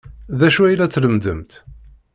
D acu ay la tlemmdemt?